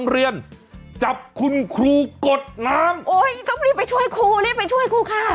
เดี๋ยวคุณคะฉันอุตส่าห์ตกใจ